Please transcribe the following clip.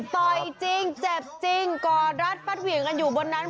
ต่อยจริงจับจริงก่อรัฐฟัดเหวี่ยงกันอยู่บนนั้น